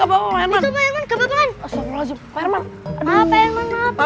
pak herman ini gak apa apa